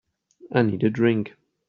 I need a drink.